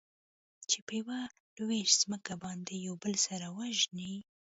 چې په يوه لوېشت ځمکه باندې يو بل سره وژني.